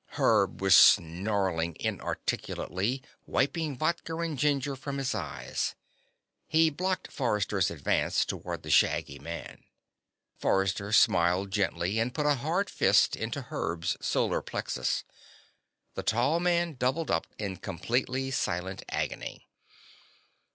Herb was snarling inarticulately, wiping vodka and ginger from his eyes. He blocked Forrester's advance toward the shaggy man. Forrester smiled gently and put a hard fist into Herb's solar plexus. The tall man doubled up in completely silent agony.